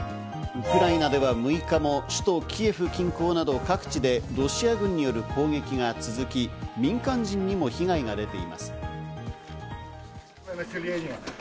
ウクライナでは６日も首都キエフ近郊など各地でロシア軍による攻撃が続き、民間人にも被害が出ています。